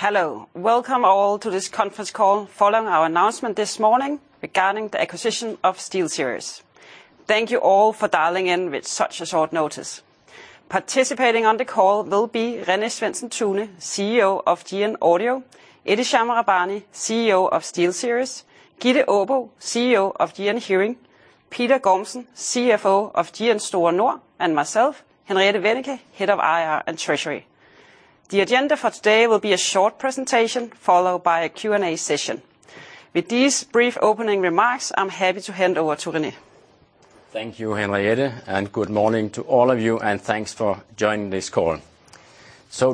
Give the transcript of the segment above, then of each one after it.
Hello. Welcome all to this conference call following our announcement this morning regarding the acquisition of SteelSeries. Thank you all for dialing in with such a short notice. Participating on the call will be René Svendsen-Tune, CEO of GN Audio, Ehtisham Rabbani, CEO of SteelSeries, Gitte Aabo, CEO of GN Hearing, Peter Gormsen, CFO of GN Store Nord, and myself, Henriette Wennicke, Head of IR and Treasury. The agenda for today will be a short presentation followed by a Q&A session. With these brief opening remarks, I'm happy to hand over to René. Thank you, Henriette, and good morning to all of you, and thanks for joining this call.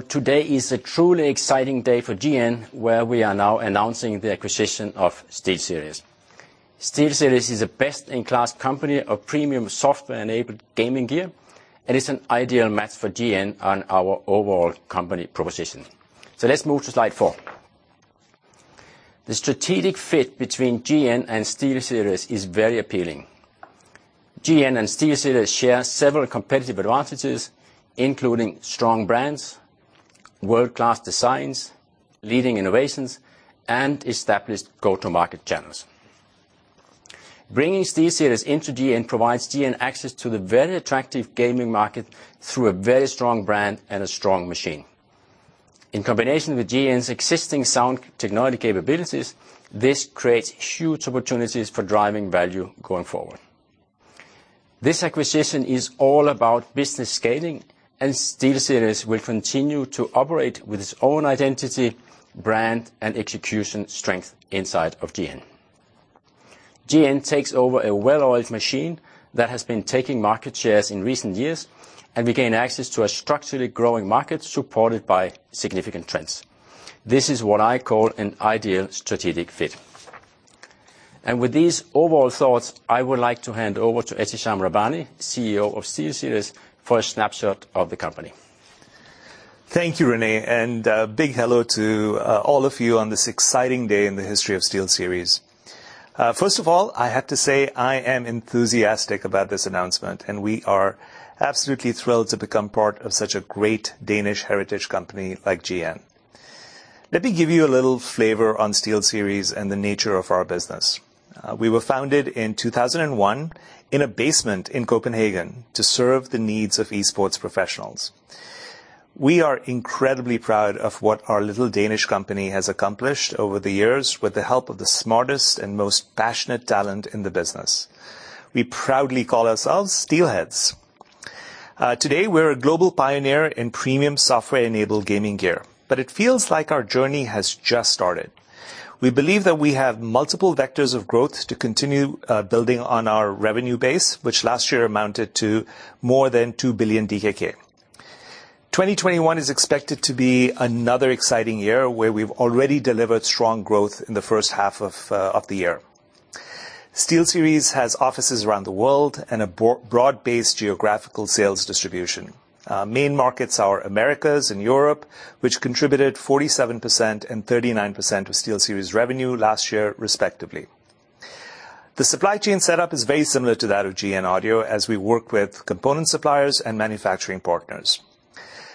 Today is a truly exciting day for GN, where we are now announcing the acquisition of SteelSeries. SteelSeries is a best-in-class company of premium software-enabled gaming gear, and it's an ideal match for GN on our overall company proposition. Let's move to slide 4. The strategic fit between GN and SteelSeries is very appealing. GN and SteelSeries share several competitive advantages, including strong brands, world-class designs, leading innovations, and established go-to-market channels. Bringing SteelSeries into GN provides GN access to the very attractive gaming market through a very strong brand and a strong machine. In combination with GN's existing sound technology capabilities, this creates huge opportunities for driving value going forward. This acquisition is all about business scaling, and SteelSeries will continue to operate with its own identity, brand, and execution strength inside of GN. GN takes over a well-oiled machine that has been taking market shares in recent years, and we gain access to a structurally growing market supported by significant trends. This is what I call an ideal strategic fit. With these overall thoughts, I would like to hand over to Ehtisham Rabbani, CEO of SteelSeries, for a snapshot of the company. Thank you, René, and a big hello to all of you on this exciting day in the history of SteelSeries. First of all, I have to say, I am enthusiastic about this announcement, and we are absolutely thrilled to become part of such a great Danish heritage company like GN. Let me give you a little flavor on SteelSeries and the nature of our business. We were founded in 2001 in a basement in Copenhagen to serve the needs of esports professionals. We are incredibly proud of what our little Danish company has accomplished over the years with the help of the smartest and most passionate talent in the business. We proudly call ourselves Steelheads. Today, we're a global pioneer in premium software-enabled gaming gear, but it feels like our journey has just started. We believe that we have multiple vectors of growth to continue building on our revenue base, which last year amounted to more than 2 billion DKK. 2021 is expected to be another exciting year, where we've already delivered strong growth in the first half of the year. SteelSeries has offices around the world and a broad-based geographical sales distribution. Main markets are Americas and Europe, which contributed 47% and 39% of SteelSeries revenue last year respectively. The supply chain setup is very similar to that of GN Audio as we work with component suppliers and manufacturing partners.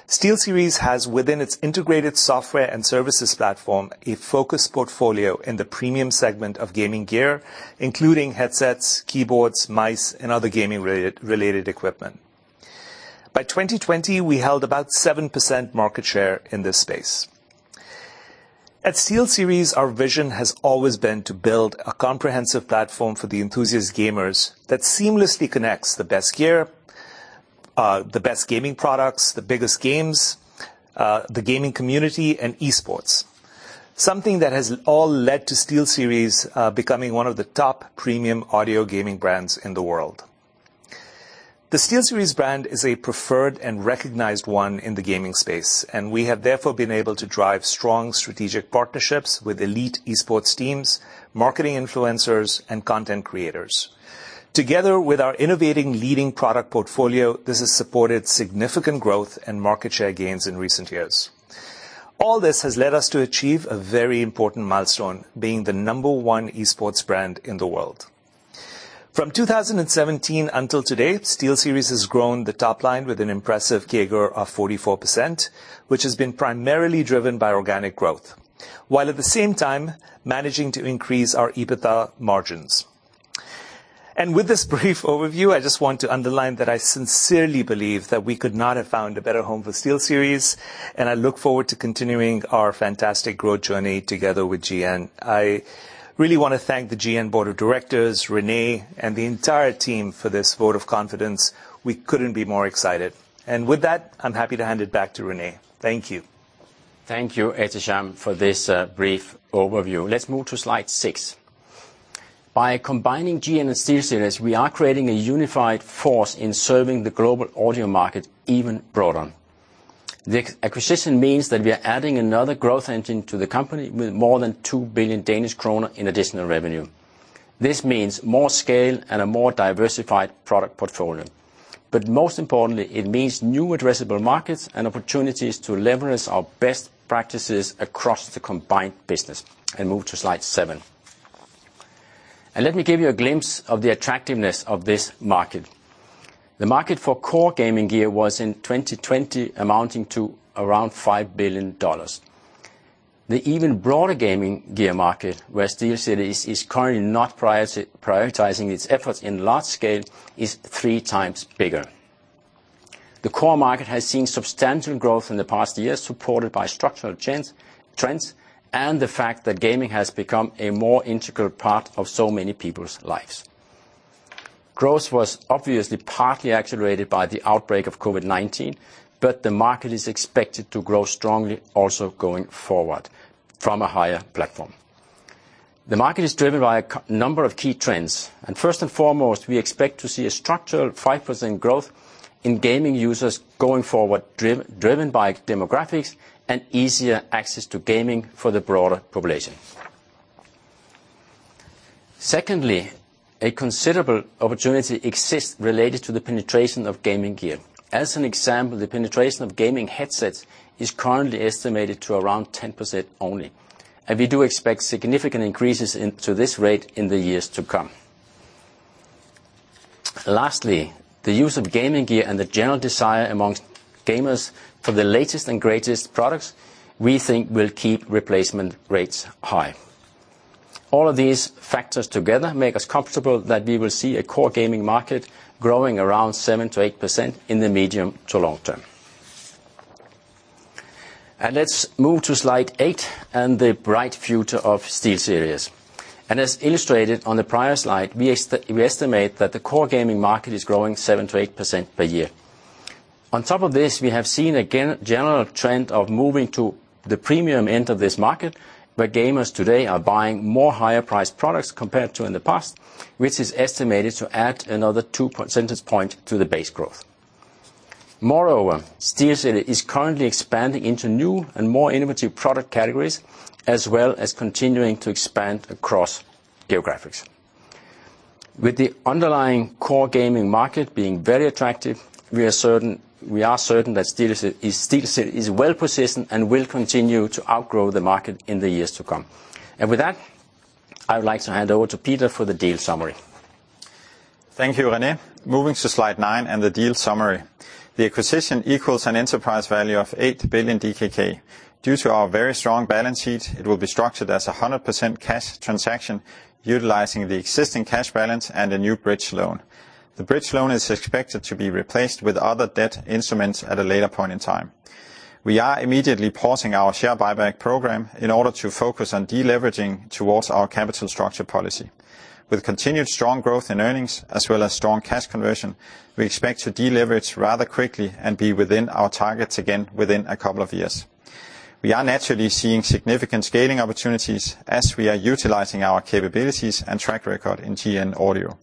SteelSeries has, within its integrated software and services platform, a focused portfolio in the premium segment of gaming gear, including headsets, keyboards, mice, and other gaming-related equipment. By 2020, we held about 7% market share in this space. At SteelSeries, our vision has always been to build a comprehensive platform for the enthusiast gamers that seamlessly connects the best gear, the best gaming products, the biggest games, the gaming community, and esports, something that has all led to SteelSeries becoming one of the top premium audio gaming brands in the world. The SteelSeries brand is a preferred and recognized one in the gaming space, and we have therefore been able to drive strong strategic partnerships with elite esports teams, marketing influencers, and content creators. Together with our innovating leading product portfolio, this has supported significant growth and market share gains in recent years. All this has led us to achieve a very important milestone, being the number one esports brand in the world. From 2017 until today, SteelSeries has grown the top line with an impressive CAGR of 44%, which has been primarily driven by organic growth, while at the same time managing to increase our EBITDA margins. With this brief overview, I just want to underline that I sincerely believe that we could not have found a better home for SteelSeries, and I look forward to continuing our fantastic growth journey together with GN. I really want to thank the GN Board of Directors, René, and the entire team for this vote of confidence. We couldn't be more excited. With that, I'm happy to hand it back to René. Thank you. Thank you, Ehtisham, for this brief overview. Let's move to slide 6. By combining GN and SteelSeries, we are creating a unified force in serving the global audio market even broader. The acquisition means that we are adding another growth engine to the company with more than 2 billion Danish kroner in additional revenue. This means more scale and a more diversified product portfolio. Most importantly, it means new addressable markets and opportunities to leverage our best practices across the combined business. Move to slide 7. Let me give you a glimpse of the attractiveness of this market. The market for core gaming gear was in 2020 amounting to around $5 billion. The even broader gaming gear market, where SteelSeries is currently not prioritizing its efforts in large scale, is three times bigger. The core market has seen substantial growth in the past years, supported by structural trends and the fact that gaming has become a more integral part of so many people's lives. Growth was obviously partly accelerated by the outbreak of COVID-19, but the market is expected to grow strongly also going forward from a higher platform. The market is driven by a number of key trends. First and foremost, we expect to see a structural 5% growth in gaming users going forward, driven by demographics and easier access to gaming for the broader population. Secondly, a considerable opportunity exists related to the penetration of gaming gear. As an example, the penetration of gaming headsets is currently estimated to around 10% only. We do expect significant increases into this rate in the years to come. Lastly, the use of gaming gear and the general desire amongst gamers for the latest and greatest products, we think will keep replacement rates high. All of these factors together make us comfortable that we will see a core gaming market growing around 7%-8% in the medium to long term. Let's move to slide 8 and the bright future of SteelSeries. As illustrated on the prior slide, we estimate that the core gaming market is growing 7%-8% per year. On top of this, we have seen a general trend of moving to the premium end of this market, where gamers today are buying more higher-priced products compared to in the past, which is estimated to add another two percentage point to the base growth. Moreover, SteelSeries is currently expanding into new and more innovative product categories, as well as continuing to expand across geographics. With the underlying core gaming market being very attractive, we are certain that SteelSeries is well-positioned and will continue to outgrow the market in the years to come. With that, I would like to hand over to Peter for the deal summary. Thank you, René. Moving to slide 9 and the deal summary. The acquisition equals an enterprise value of 8 billion DKK. Due to our very strong balance sheet, it will be structured as 100% cash transaction utilizing the existing cash balance and a new bridge loan. The bridge loan is expected to be replaced with other debt instruments at a later point in time. We are immediately pausing our share buyback program in order to focus on deleveraging towards our capital structure policy. With continued strong growth in earnings as well as strong cash conversion, we expect to deleverage rather quickly and be within our targets again within a couple of years. We are naturally seeing significant scaling opportunities as we are utilizing our capabilities and track record in GN Audio.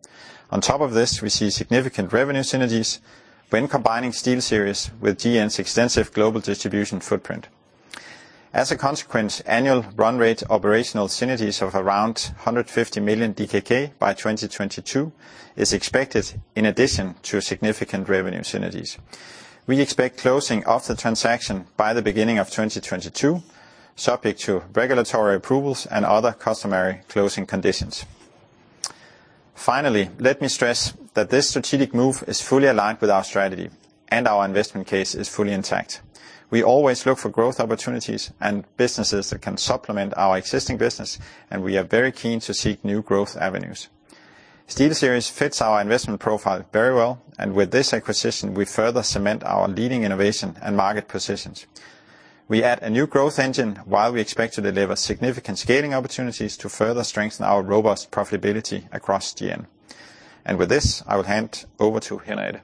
On top of this, we see significant revenue synergies when combining SteelSeries with GN's extensive global distribution footprint. As a consequence, annual run rate operational synergies of around 150 million DKK by 2022 is expected in addition to significant revenue synergies. We expect closing of the transaction by the beginning of 2022, subject to regulatory approvals and other customary closing conditions. Finally, let me stress that this strategic move is fully aligned with our strategy, and our investment case is fully intact. We always look for growth opportunities and businesses that can supplement our existing business, and we are very keen to seek new growth avenues. SteelSeries fits our investment profile very well, and with this acquisition, we further cement our leading innovation and market positions. We add a new growth engine while we expect to deliver significant scaling opportunities to further strengthen our robust profitability across GN. With this, I will hand over to Henriette.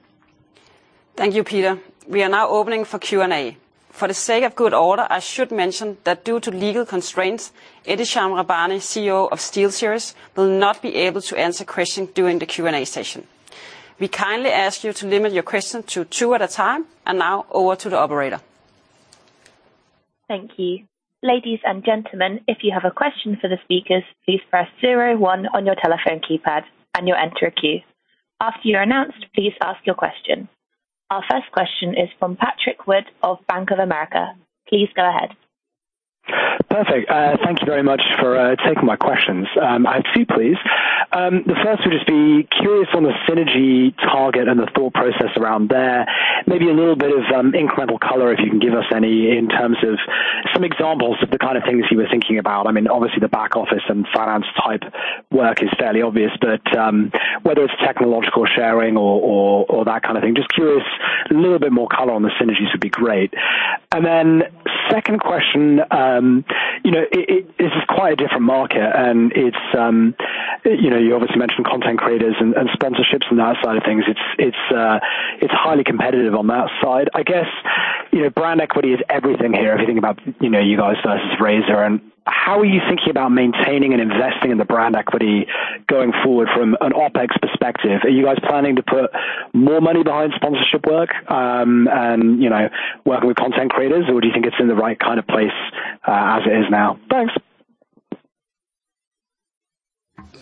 Thank you, Peter. We are now opening for Q&A. For the sake of good order, I should mention that due to legal constraints, Ehtisham Rabbani, CEO of SteelSeries, will not be able to answer questions during the Q&A session. We kindly ask you to limit your question to two at a time. Now over to the operator. Thank you. Ladies and gentlemen, if you have a question for the speakers, please press zero one on your telephone keypad and you'll enter a queue. After you're announced, please ask your question. Our first question is from Patrick Wood of Bank of America. Please go ahead. Perfect. Thank you very much for taking my questions. I have two, please. The first would just be curious on the synergy target and the thought process around there. Maybe a little bit of incremental color, if you can give us any, in terms of some examples of the kind of things you were thinking about. Obviously, the back office and finance type work is fairly obvious, but whether it's technological sharing or that kind of thing, just curious, a little bit more color on the synergies would be great. Second question. This is quite a different market, and you obviously mentioned content creators and sponsorships on that side of things. It's highly competitive on that side. I guess, brand equity is everything here if you think about you guys versus Razer. How are you thinking about maintaining and investing in the brand equity going forward from an OpEx perspective? Are you guys planning to put more money behind sponsorship work, and working with content creators, or do you think it's in the right kind of place as it is now? Thanks.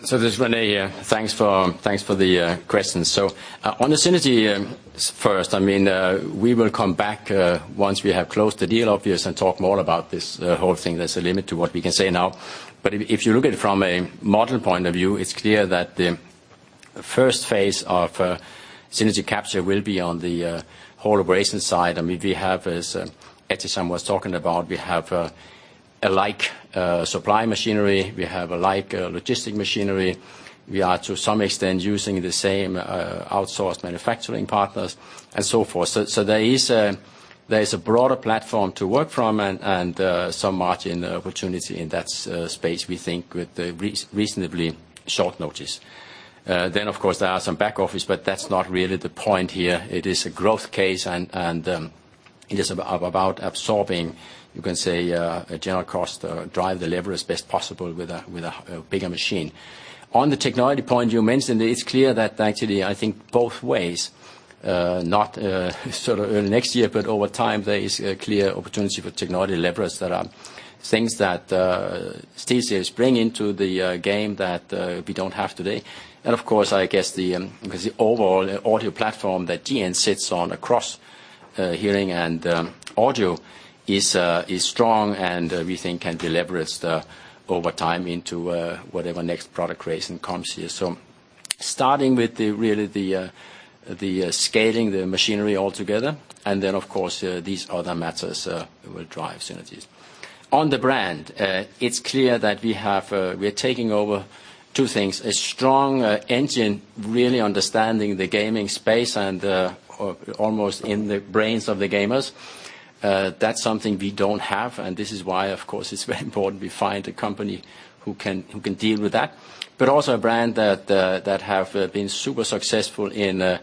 This is René here. Thanks for the questions. On the synergy first, we will come back once we have closed the deal, obviously, and talk more about this whole thing. There's a limit to what we can say now. If you look at it from a model point of view, it's clear that the first phase of synergy capture will be on the whole operation side. As Ehtisham was talking about, we have a like supply machinery, we have a like logistic machinery. We are, to some extent, using the same outsourced manufacturing partners, and so forth. There is a broader platform to work from and some margin opportunity in that space, we think, with reasonably short notice. Of course, there are some back office, but that's not really the point here. It is a growth case, and it is about absorbing, you can say, a general cost, drive the lever as best possible with a bigger machine. On the technology point you mentioned, it's clear that actually, I think both ways, not sort of early next year, but over time, there is a clear opportunity for technology levers that are things that SteelSeries bring into the game that we don't have today. Of course, I guess the overall audio platform that GN sits on across hearing and audio is strong and we think can be leveraged over time into whatever next product creation comes here. Starting with really the scaling the machinery altogether, and then, of course, these other matters will drive synergies. On the brand, it's clear that we're taking over two things. A strong engine, really understanding the gaming space and almost in the brains of the gamers. That's something we don't have, and this is why, of course, it's very important we find a company who can deal with that. Also a brand that have been super successful in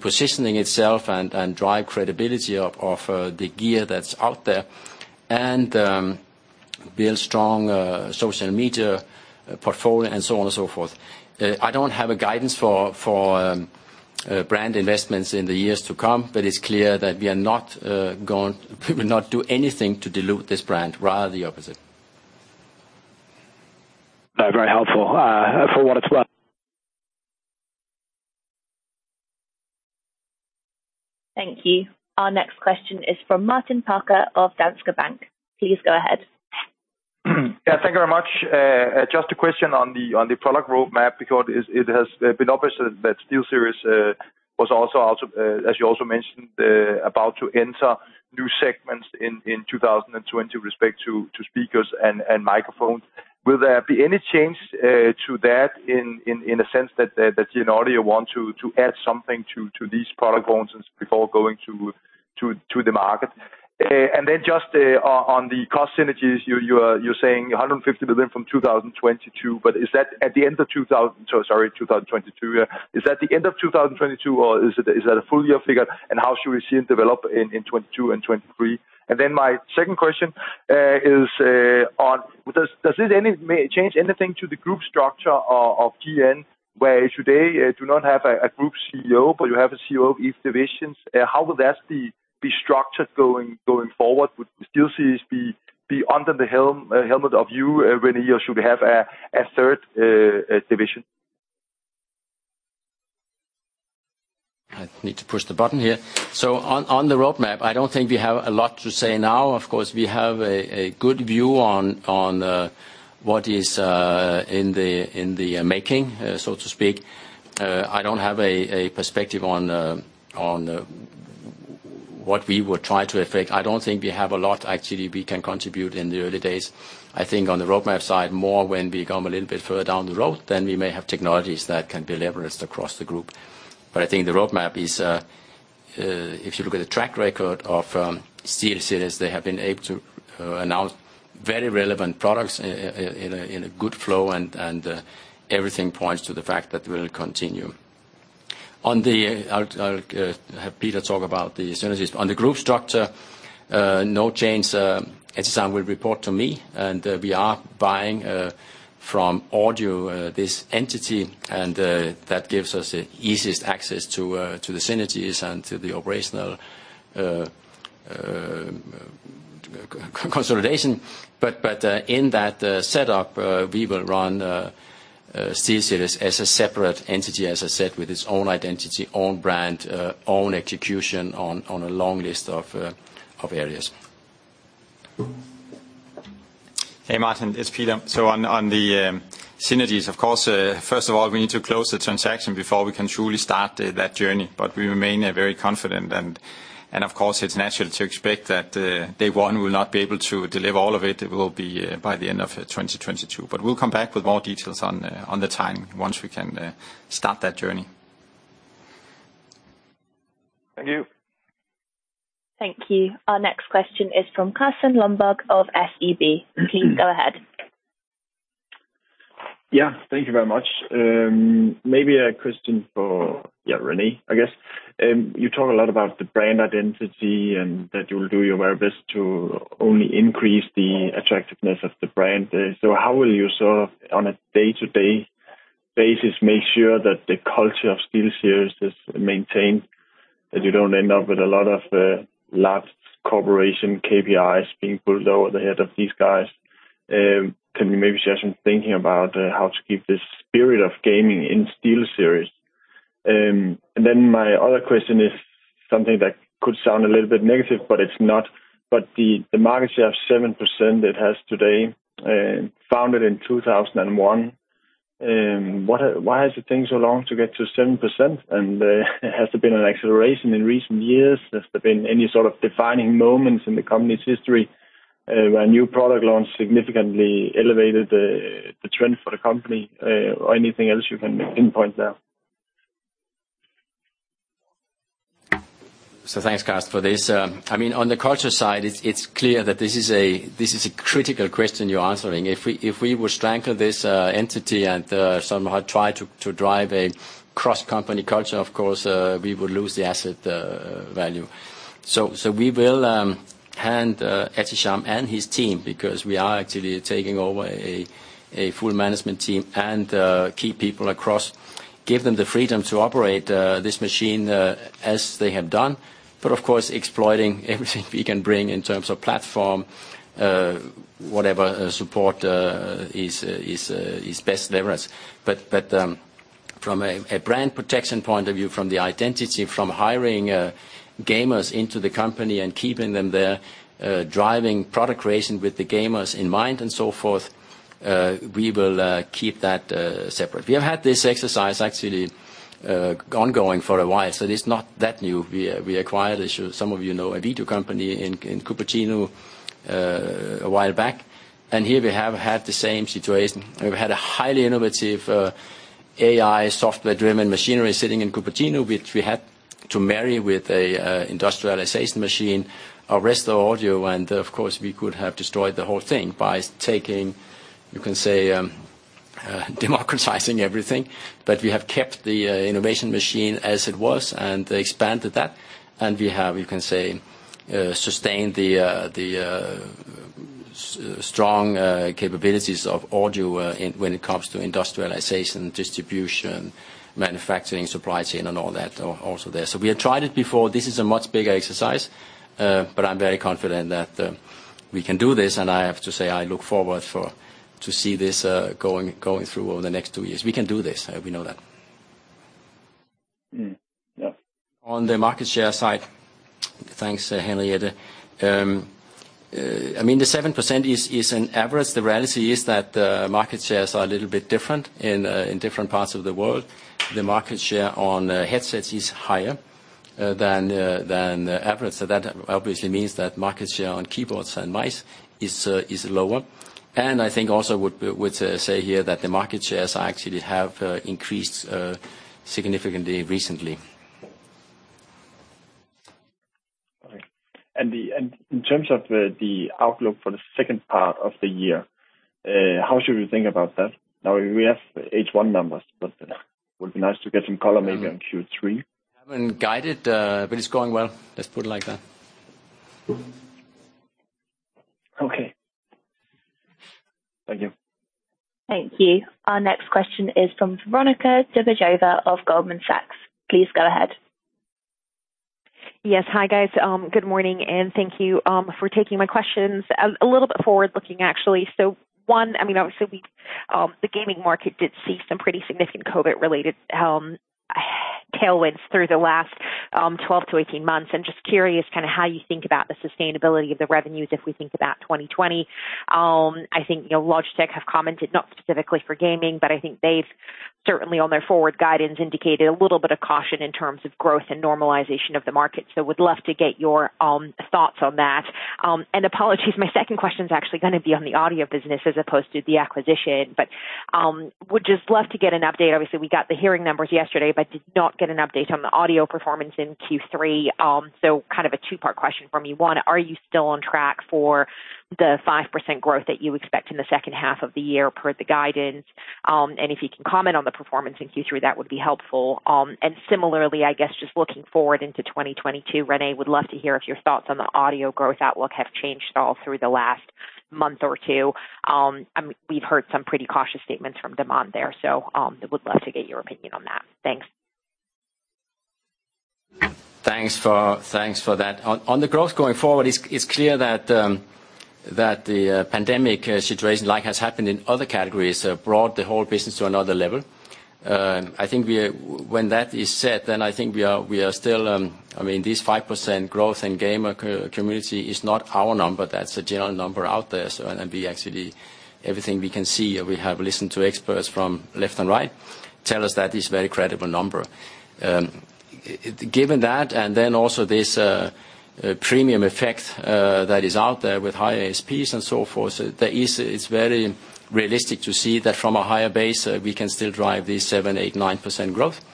positioning itself and drive credibility of the gear that's out there, and build strong social media portfolio, and so on and so forth. I don't have a guidance for brand investments in the years to come, but it's clear that we will not do anything to dilute this brand, rather the opposite. Very helpful. For what it's worth. Thank you. Our next question is from Martin Parkhøi of Danske Bank. Please go ahead. Yeah, thank you very much. Just a question on the product roadmap because it has been obvious that SteelSeries was also, as you also mentioned, about to enter new segments in 2020 with respect to speakers and microphones. Will there be any change to that in the sense that GN Audio want to add something to these product functions before going to the market? Just on the cost synergies, you're saying 150 million from 2022. Sorry, 2022, yeah. Is that the end of 2022, or is that a full year figure? How should we see it develop in 2022 and 2023? My second question is, does this change anything to the group structure of GN, where today you do not have a group CEO, but you have a CEO of each division? How will that be structured going forward? Would SteelSeries be under the helmet of you, René, or should we have a third division? I need to push the button here. On the roadmap, I don't think we have a lot to say now. Of course, we have a good view on what is in the making, so to speak. I don't have a perspective on what we would try to effect. I don't think we have a lot, actually, we can contribute in the early days. I think on the roadmap side, more when we come a little bit further down the road, then we may have technologies that can be leveraged across the group. I think the roadmap is, if you look at the track record of SteelSeries, they have been able to announce very relevant products in a good flow, and everything points to the fact that will continue. I'll have Peter talk about the synergies. On the group structure, no change. Ehtisham will report to me, and we are buying from GN Audio this entity, and that gives us the easiest access to the synergies and to the operational consolidation. In that setup, we will run SteelSeries as a separate entity, as I said, with its own identity, own brand, own execution on a long list of areas. Hey, Martin. It's Peter. On the synergies, of course, first of all, we need to close the transaction before we can truly start that journey. We remain very confident, and of course, it's natural to expect that day one we will not be able to deliver all of it. It will be by the end of 2022. We'll come back with more details on the timing once we can start that journey. Thank you. Thank you. Our next question is from Carsten Lønborg of SEB. Please go ahead. Yeah. Thank you very much. Maybe a question for René, I guess. You talk a lot about the brand identity and that you will do your very best to only increase the attractiveness of the brand. How will you sort of, on a day-to-day basis, make sure that the culture of SteelSeries is maintained and you don't end up with a lot of large corporation KPIs being pulled over the head of these guys? Can you maybe share some thinking about how to keep the spirit of gaming in SteelSeries? My other question. Something that could sound a little bit negative, but it's not. The market share of 7% it has today, founded in 2001, why has it taken so long to get to 7%? Has there been an acceleration in recent years? Has there been any sort of defining moments in the company's history where a new product launch significantly elevated the trend for the company? Anything else you can pinpoint there? Thanks, Carsten, for this. On the culture side, it's clear that this is a critical question you are answering. If we were to strangle this entity and somehow try to drive a cross-company culture, of course, we would lose the asset value. We will hand Ehtisham and his team, because we are actively taking over a full management team and key people across, give them the freedom to operate this machine as they have done, but of course, exploiting everything we can bring in terms of platform, whatever support is best leverage. From a brand protection point of view, from the identity, from hiring gamers into the company and keeping them there, driving product creation with the gamers in mind and so forth, we will keep that separate. We have had this exercise actually ongoing for a while, so it is not that new. We acquired, as some of you know, a video company in Cupertino a while back. Here we have had the same situation. We've had a highly innovative AI software-driven machinery sitting in Cupertino, which we had to marry with an industrialization machine, the rest are audio, and of course, we could have destroyed the whole thing by taking, you can say, democratizing everything. We have kept the innovation machine as it was and expanded that. We have, you can say, sustained the strong capabilities of audio when it comes to industrialization, distribution, manufacturing, supply chain and all that, also there. We have tried it before. This is a much bigger exercise. I'm very confident that we can do this, and I have to say, I look forward to see this going through over the next two years. We can do this. We know that. Yeah. On the market share side, thanks, Henriette. The 7% is an average. The reality is that market shares are a little bit different in different parts of the world. The market share on headsets is higher than the average. That obviously means that market share on keyboards and mice is lower. I think also would say here that the market shares actually have increased significantly recently. Okay. In terms of the outlook for the second part of the year, how should we think about that? Now we have H1 numbers, but it would be nice to get some color maybe on Q3. Haven't guided, but it's going well. Let's put it like that. Okay. Thank you. Thank you. Our next question is from Veronika Dvořáková of Goldman Sachs. Please go ahead. Yes. Hi, guys. Good morning, and thank you for taking my questions. A little bit forward-looking, actually. One, obviously the gaming market did see some pretty significant COVID-related tailwinds through the last 12-18 months, and just curious how you think about the sustainability of the revenues if we think about 2020. I think Logitech have commented, not specifically for gaming, but I think they've certainly on their forward guidance, indicated a little bit of caution in terms of growth and normalization of the market. Would love to get your thoughts on that. Apologies, my second question's actually going to be on the audio business as opposed to the acquisition. Would just love to get an update. Obviously, we got the hearing numbers yesterday, but did not get an update on the audio performance in Q3. Kind of a two-part question from me. Are you still on track for the 5% growth that you expect in the second half of the year per the guidance? If you can comment on the performance in Q3, that would be helpful. Similarly, I guess just looking forward into 2022, René, would love to hear if your thoughts on the audio growth outlook have changed at all through the last month or two. We've heard some pretty cautious statements from them on there. Would love to get your opinion on that. Thanks. Thanks for that. On the growth going forward, it's clear that the pandemic situation, like has happened in other categories, brought the whole business to another level. This 5% growth in gamer community is not our number. That's a general number out there. Actually, everything we can see, and we have listened to experts from left and right tell us that it's a very credible number. Given that, and then also this premium effect that is out there with high ASPs and so forth, it's very realistic to see that from a higher base, we can still drive this 7%, 8%, 9% growth,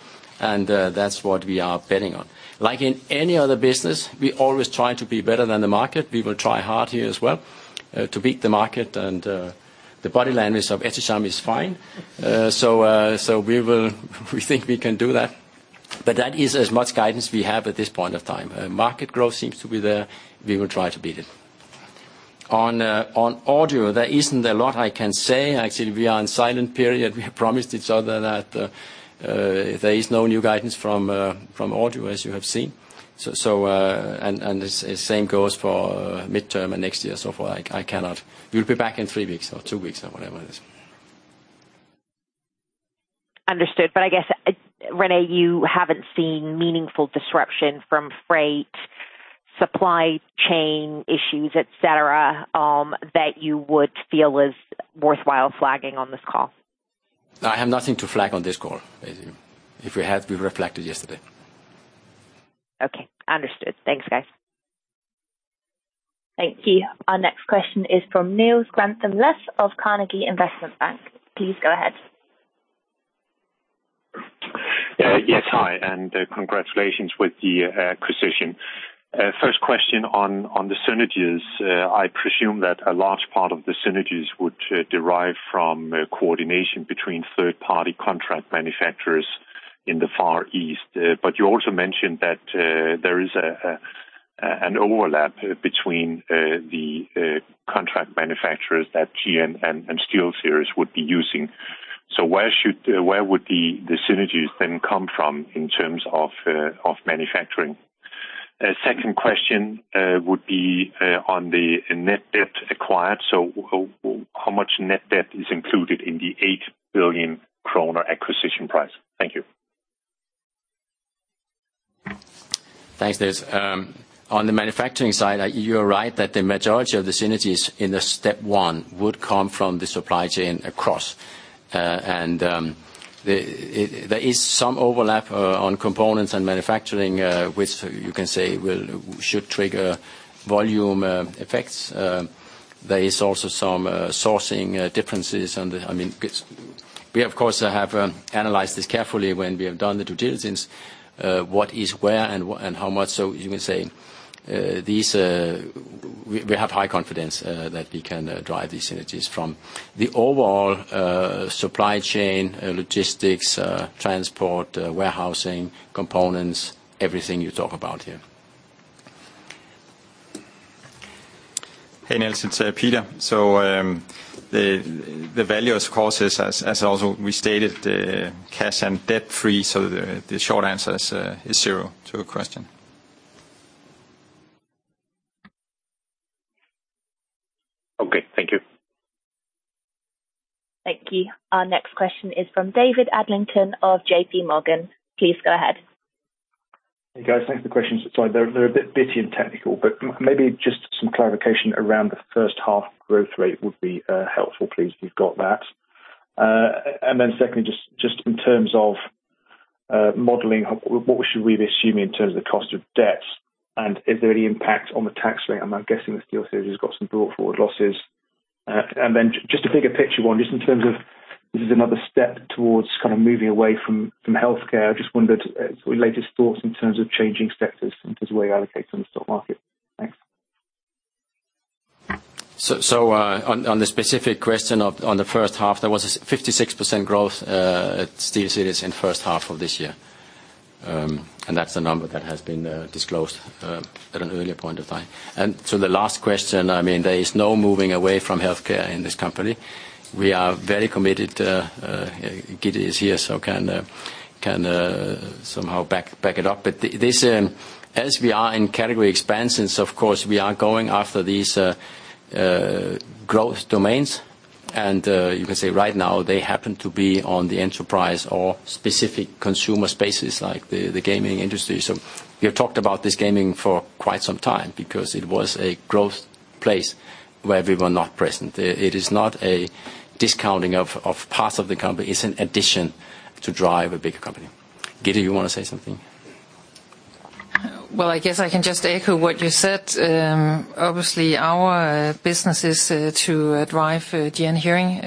and that's what we are betting on. Like in any other business, we always try to be better than the market. We will try hard here as well to beat the market. The body language of Ehtisham Rabbani is fine. We think we can do that. That is as much guidance we have at this point of time. Market growth seems to be there. We will try to beat it. On audio, there isn't a lot I can say. Actually, we are in silent period. We have promised each other that there is no new guidance from audio, as you have seen. The same goes for midterm and next year so far. I cannot. We'll be back in three weeks or two weeks or whatever it is. Understood. I guess, René, you haven't seen meaningful disruption from freight supply chain issues, et cetera, that you would feel was worthwhile flagging on this call? No, I have nothing to flag on this call. If we had, we would've flagged it yesterday. Okay. Understood. Thanks, guys. Thank you. Our next question is from Niels Granholm-Leth of Carnegie Investment Bank. Please go ahead. Yes. Hi. Congratulations with the acquisition. First question on the synergies. I presume that a large part of the synergies would derive from coordination between third-party contract manufacturers in the Far East. You also mentioned that there is an overlap between the contract manufacturers that GN and SteelSeries would be using. Where would the synergies then come from in terms of manufacturing? Second question would be on the net debt acquired. How much net debt is included in the 8 billion kroner acquisition price? Thank you. Thanks, Niels. On the manufacturing side, you are right that the majority of the synergies in the step 1 would come from the supply chain across. There is some overlap on components and manufacturing, which you can say should trigger volume effects. There is also some sourcing differences. We, of course, have analyzed this carefully when we have done the due diligence, what is where and how much, you can say, we have high confidence that we can drive these synergies from the overall supply chain, logistics, transport, warehousing, components, everything you talk about here. Hey, Niels. It's Peter. The value, of course, is as also we stated, cash and debt-free, so the short answer is 0 to your question. Okay. Thank you. Thank you. Our next question is from David Adlington of JPMorgan. Please go ahead. Hey, guys. Thanks for the questions. Sorry, they're a bit bitty and technical, but maybe just some clarification around the first half growth rate would be helpful, please, if you've got that. Secondly, just in terms of modeling, what should we be assuming in terms of the cost of debt, and is there any impact on the tax rate? I'm guessing that SteelSeries has got some brought forward losses. Just a bigger picture one, just in terms of this is another step towards kind of moving away from healthcare. I just wondered your latest thoughts in terms of changing sectors in terms of where you allocate on the stock market. Thanks. On the specific question of on the first half, there was a 56% growth at SteelSeries in first half of this year. To the last question, there is no moving away from healthcare in this company. We are very committed. Gitte is here, so can somehow back it up. As we are in category expansions, of course, we are going after these growth domains. You can say right now, they happen to be on the enterprise or specific consumer spaces like the gaming industry. We have talked about this gaming for quite some time because it was a growth place where we were not present. It is not a discounting of parts of the company, it's an addition to drive a bigger company. Gitte, you want to say something? Well, I guess I can just echo what you said. Obviously, our business is to drive GN Hearing.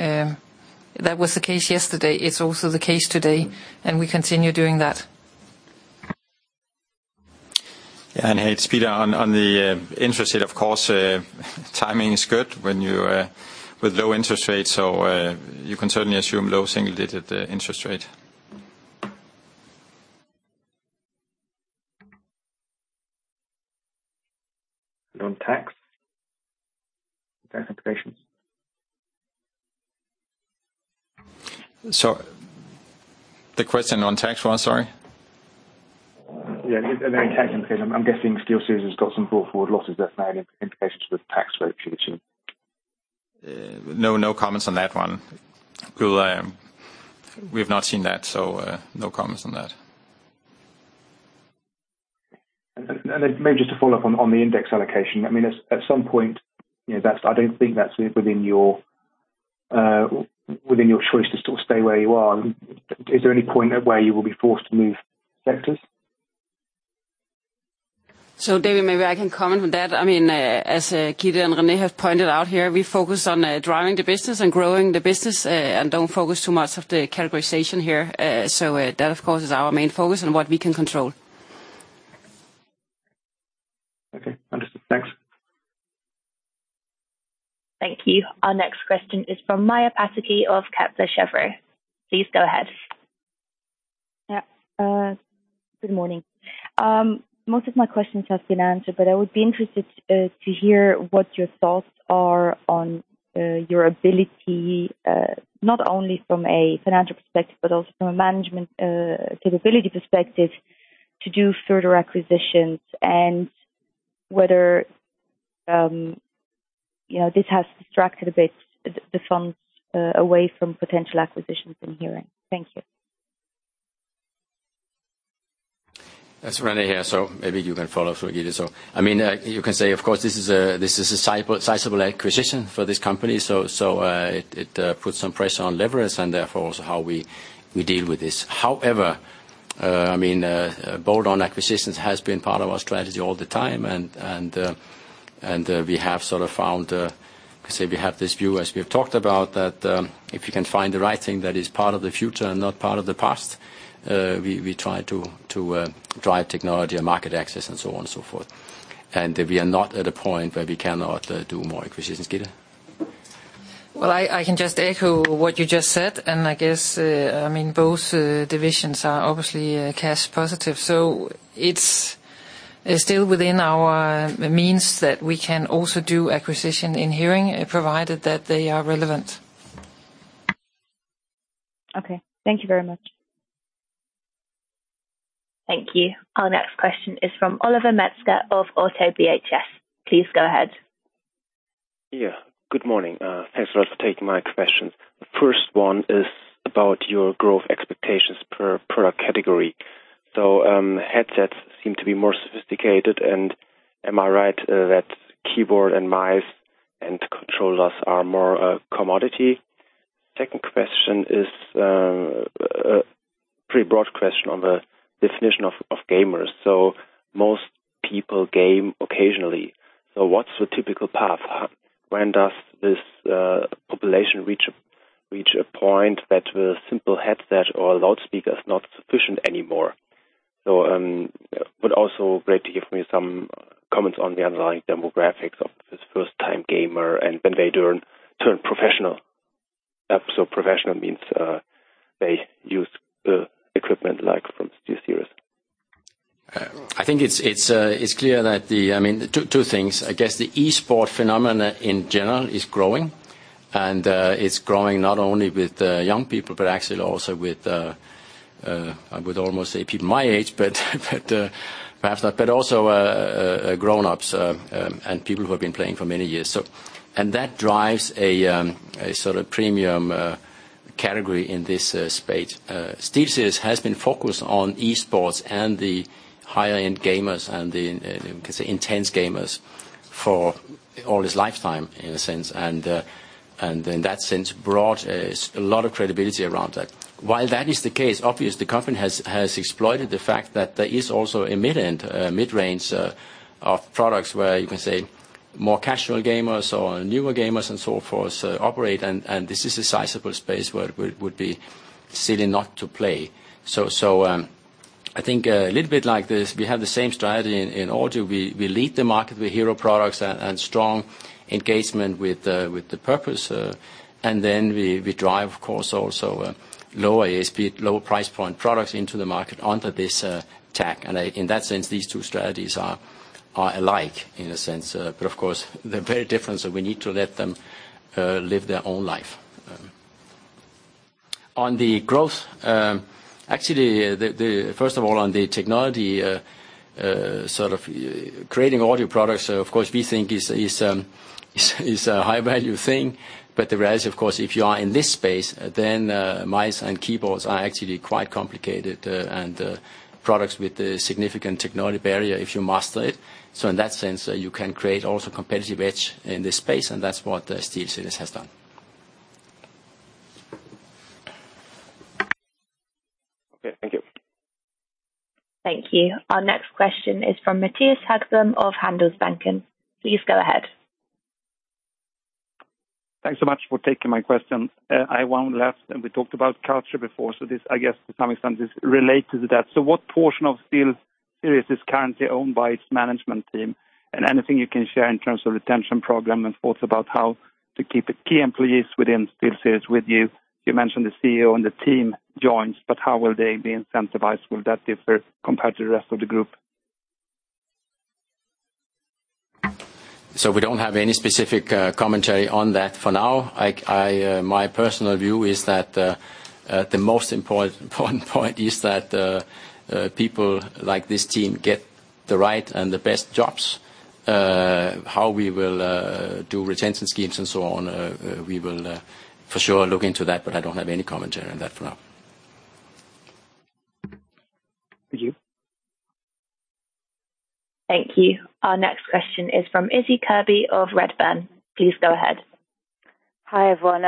That was the case yesterday, it's also the case today, and we continue doing that. Yeah. Hey, it's Peter. On the interest rate, of course, timing is good with low interest rates, you can certainly assume low single-digit interest rate. On tax? Tax implications. The question on tax was, sorry? Yeah. Any tax implications. I'm guessing SteelSeries has got some brought forward losses that may have implications for the tax rate for the team. No comments on that one. We've not seen that. No comments on that. Maybe just to follow up on the index allocation. At some point, I don't think that's within your choice to sort of stay where you are. Is there any point at where you will be forced to move sectors? David, maybe I can comment on that. As Gitte and René have pointed out here, we focus on driving the business and growing the business and don't focus too much of the categorization here. That, of course, is our main focus and what we can control. Okay. Understood. Thanks. Thank you. Our next question is from Maja Pataki of Kepler Cheuvreux. Please go ahead. Yeah. Good morning. Most of my questions have been answered, but I would be interested to hear what your thoughts are on your ability, not only from a financial perspective, but also from a management capability perspective, to do further acquisitions, and whether. This has distracted a bit the funds away from potential acquisitions in hearing. Thank you. That's René here, so maybe you can follow through, Gitte. You can say, of course, this is a sizable acquisition for this company, so it puts some pressure on leverage and therefore also how we deal with this. However, bolt-on acquisitions has been part of our strategy all the time, and we have sort of found, say we have this view as we've talked about that if you can find the right thing that is part of the future and not part of the past, we try to drive technology and market access and so on and so forth. We are not at a point where we cannot do more acquisitions. Gitte? Well, I can just echo what you just said, and I guess both divisions are obviously cash positive, so it's still within our means that we can also do acquisition in hearing, provided that they are relevant. Okay. Thank you very much. Thank you. Our next question is from Oliver Metzger of ODDO BHF. Please go ahead. Yeah. Good morning. Thanks a lot for taking my questions. First one is about your growth expectations per product category. Headsets seem to be more sophisticated, and am I right that keyboard and mice and controllers are more a commodity? Second question is a pretty broad question on the definition of gamers. Most people game occasionally, so what's the typical path? When does this population reach a point that a simple headset or a loudspeaker is not sufficient anymore? Also great to give me some comments on the underlying demographics of this first-time gamer and when they turn professional. Professional means they use equipment like from SteelSeries. I think it's clear that, two things, I guess the esports phenomenon in general is growing. It's growing not only with young people, but actually also with, I would almost say people my age, but perhaps not, but also grown-ups and people who have been playing for many years. That drives a sort of premium category in this space. SteelSeries has been focused on esports and the higher-end gamers and the, you can say, intense gamers for all its lifetime, in a sense. In that sense, brought a lot of credibility around that. While that is the case, obviously, the company has exploited the fact that there is also a mid-range of products where you can say more casual gamers or newer gamers and so forth operate, and this is a sizable space where it would be silly not to play. I think a little bit like this, we have the same strategy in audio. We lead the market with hero products and strong engagement with the purpose. We drive, of course, also lower ASPs, lower price point products into the market under this tech. In that sense, these two strategies are alike, in a sense. Of course, they're very different, so we need to let them live their own life. On the growth, actually, first of all, on the technology, sort of creating audio products, of course, we think is a high-value thing. The reality, of course, if you are in this space, then mice and keyboards are actually quite complicated, and products with a significant technology barrier if you master it. In that sense, you can create also competitive edge in this space, and that's what SteelSeries has done. Okay, thank you. Thank you. Our next question is from Mattias Hagström of Handelsbanken. Please go ahead. Thanks so much for taking my question. I won't last. We talked about culture before, so this, I guess, to some extent is related to that. What portion of SteelSeries is currently owned by its management team? Anything you can share in terms of retention program and thoughts about how to keep the key employees within SteelSeries with you. You mentioned the CEO and the team joins. How will they be incentivized? Will that differ compared to the rest of the group? We don't have any specific commentary on that for now. My personal view is that the most important point is that people like this team get the right and the best jobs. How we will do retention schemes and so on, we will for sure look into that, but I don't have any commentary on that for now. Thank you. Thank you. Our next question is from Issie Kirby of Redburn. Please go ahead. Hi, everyone.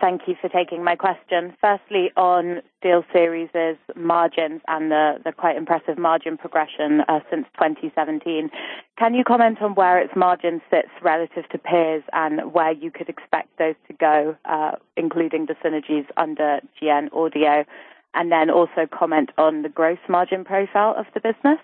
Thank you for taking my question. Firstly, on SteelSeries' Margins and the quite impressive margin progression since 2017. Can you comment on where its margin sits relative to peers and where you could expect those to go, including the synergies under GN Audio? Also comment on the gross margin profile of the business.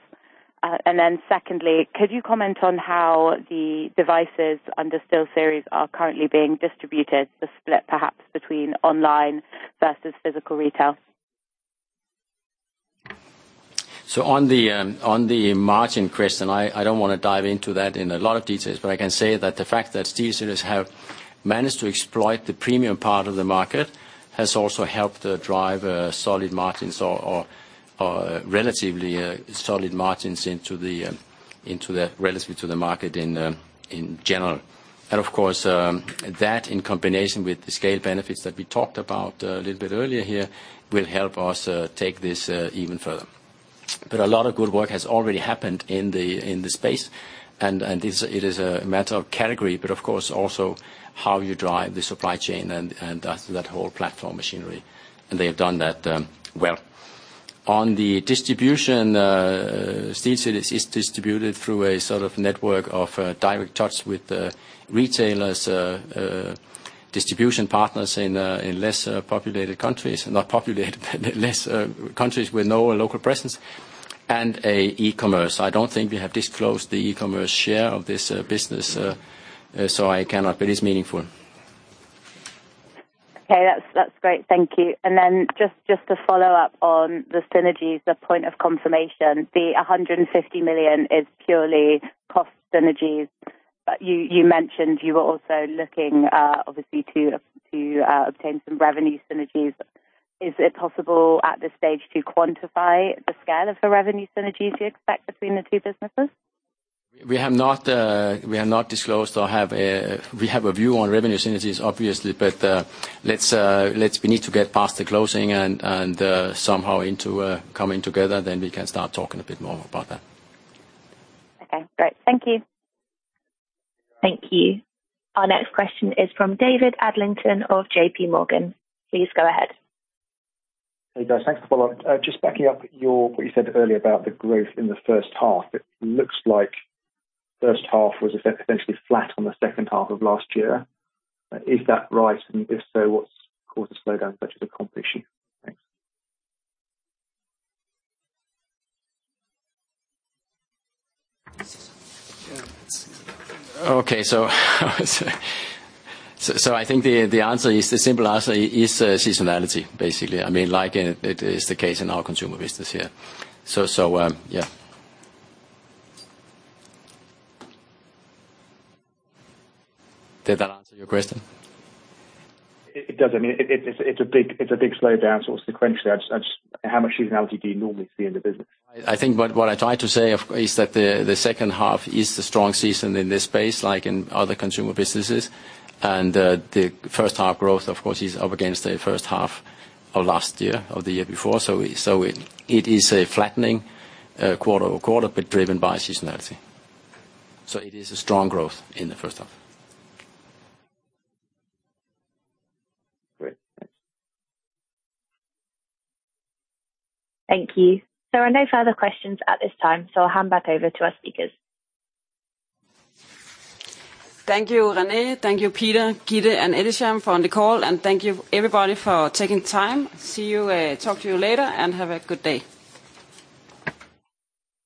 Secondly, could you comment on how the devices under SteelSeries are currently being distributed, the split perhaps between online versus physical retail? On the margin question, I don't want to dive into that in a lot of details, but I can say that the fact that SteelSeries has managed to exploit the premium part of the market has also helped drive solid margins or relatively solid margins relative to the market in general. Of course, that, in combination with the scale benefits that we talked about a little bit earlier here, will help us take this even further. A lot of good work has already happened in this space, and it is a matter of category, but of course also how you drive the supply chain and that whole platform machinery. They have done that well. On the distribution, SteelSeries is distributed through a sort of network of direct touch with retailers, distribution partners in less populated countries. Not populated, less countries with no local presence and e-commerce. I don't think we have disclosed the e-commerce share of this business, so I cannot, but it is meaningful. Okay. That's great. Thank you. Just to follow up on the synergies, the point of confirmation, the 150 million is purely cost synergies. You mentioned you were also looking, obviously, to obtain some revenue synergies. Is it possible at this stage to quantify the scale of the revenue synergies you expect between the two businesses? We have not disclosed We have a view on revenue synergies, obviously. We need to get past the closing and somehow coming together, then we can start talking a bit more about that. Okay, great. Thank you. Thank you. Our next question is from David Adlington of JPMorgan. Please go ahead. Hey, guys. Thanks for the follow-up. Just backing up what you said earlier about the growth in the first half, it looks like first half was effectively flat on the second half of last year. Is that right? If so, what's caused the slowdown versus the competition? Thanks. Okay. I think the simple answer is seasonality, basically. Like it is the case in our consumer business here. Yeah. Did that answer your question? It does. It's a big slowdown sort of sequentially. How much seasonality do you normally see in the business? I think what I tried to say is that the second half is the strong season in this space, like in other consumer businesses. The first half growth, of course, is up against the first half of last year or the year before. It is a flattening quarter-over-quarter, but driven by seasonality. It is a strong growth in the first half. Great. Thanks. Thank you. There are no further questions at this time, so I'll hand back over to our speakers. Thank you, René. Thank you Peter, Gitte, and Ehtisham on the call and thank you everybody for taking the time. See you, talk to you later, and have a good day.